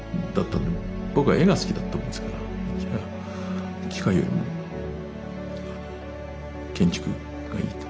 僕は絵が好きだったもんですからじゃあ機械よりもあの建築がいいと。